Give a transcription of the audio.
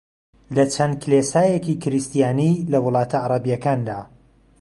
لە چەند کڵێسایەکی کریستیانی لە وڵاتە عەرەبییەکاندا